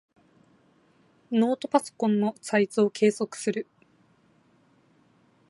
ノートパソコンのサイズを計測する。